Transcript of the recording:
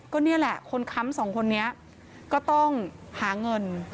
ก็นี่แหละคนค้ำสองคนนี้ก็ต้องหาเงิน